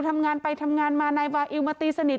ทำงานไปทำงานมานายวาอิวมาตีสนิท